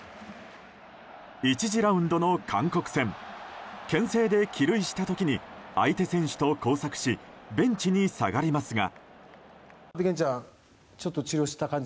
１次ラウンドの韓国戦牽制で帰塁した時に相手選手と交錯しベンチに下がりますが。